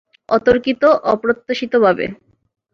অতর্কিত, অপ্রত্যাশিতভাবে।